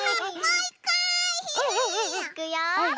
いくよ。